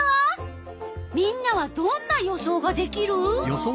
みんなはどんな予想ができる？